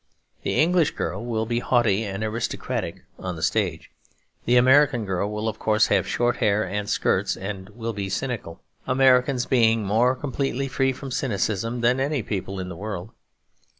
The English girl will be haughty and aristocratic (on the stage), the American girl will of course have short hair and skirts and will be cynical; Americans being more completely free from cynicism than any people in the world.